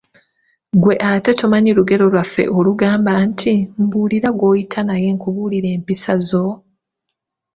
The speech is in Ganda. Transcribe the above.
Ggwe ate tomanyi lugero lwaffe olugamba nti , "Mbuulira gwoyita naye nkubuulire empisa zo?